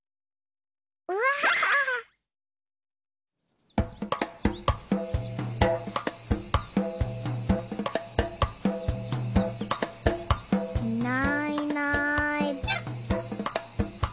うわ！いないいない。